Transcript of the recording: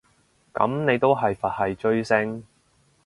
噉你都係佛系追星